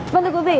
vâng thưa quý vị